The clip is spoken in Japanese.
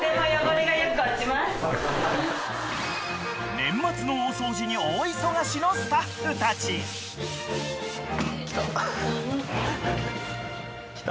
［年末の大掃除に大忙しのスタッフたち］来た。